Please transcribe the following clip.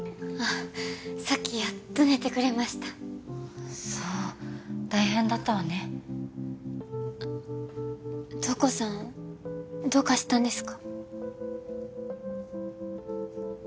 さっきやっと寝てくれましたそう大変だったわね瞳子さんどうかしたんですか？